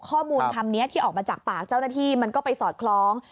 ข้อมูลคำนี้ที่ออกมาจากปากเจ้าหน้าที่มันก็ไปสอดคล้อง